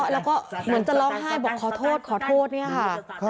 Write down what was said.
แล้วก็เหมือนจะร้องไห้บอกขอโทษขอโทษเนี่ยค่ะ